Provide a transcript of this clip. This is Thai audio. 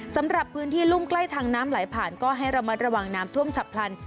สำหรับพื้นที่รุ่มใกล้ทางน้ำไหลผ่านก็ให้ระมัดระวังน้ำท่วมฉับพลัน